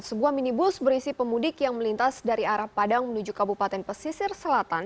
sebuah minibus berisi pemudik yang melintas dari arah padang menuju kabupaten pesisir selatan